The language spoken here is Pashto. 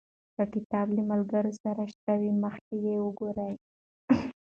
که کتاب له ملګرو سره شته وي، مخکې یې وګورئ.